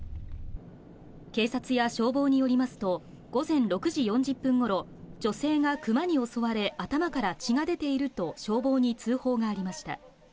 警察や消防によりますと、午前６時４０分ごろ、女性がクマに襲われ、頭から血が出ていると消防に通報がありました。